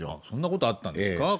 そんな事あったんですか？